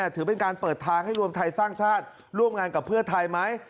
ถือเป็นการเปิดทางให้รวมไทยสร้างชาติร่วมงานกับเพื่อไทยไหม